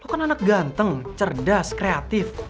aku kan anak ganteng cerdas kreatif